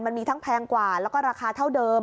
มันมีทั้งแพงกว่าแล้วก็ราคาเท่าเดิม